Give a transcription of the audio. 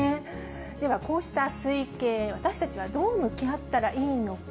ではこうした推計、私たちはどう向き合ったらいいのか。